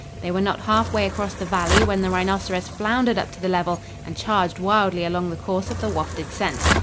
They were not half way across the valley when the rhinoceros floundered up to the level and charged wildly along the course of the wafted scent.